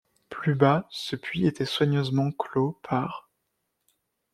Plus bas, ce puits était soigneusement clos par '.